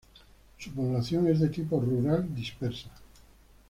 Su población es de tipo rural dispersa.